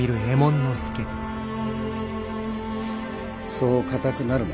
そう硬くなるな。